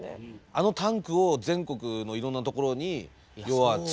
あのタンクを全国のいろんな所に要は造って。